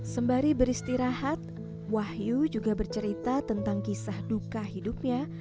sembari beristirahat wahyu juga bercerita tentang kisah duka hidupnya